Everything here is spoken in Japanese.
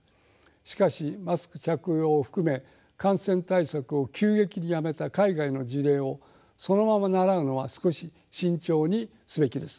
しかしマスク着用を含め感染対策を急激にやめた海外の事例をそのまま倣うのは少し慎重にすべきです。